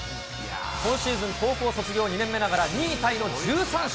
今シーズン高校卒業２年目ながら、２位タイの１３勝。